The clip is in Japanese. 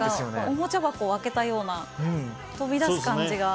おもちゃ箱を開けたような飛び出す感じが。